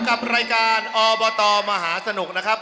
กับรายการอบตมหาสนุกนะครับ